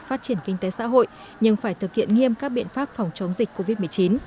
phát triển kinh tế xã hội nhưng phải thực hiện nghiêm các biện pháp phòng chống dịch covid một mươi chín